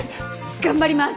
頑張ります！